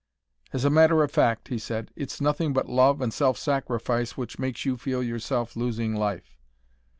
"As a matter of fact," he said, "it's nothing but love and self sacrifice which makes you feel yourself losing life."